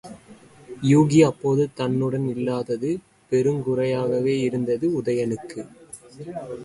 யூகி அப்போது தன்னுடன் இல்லாதது பெருங்குறையாகவே இருந்தது உதயணனுக்கு.